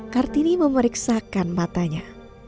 kartini memeriksakan matanya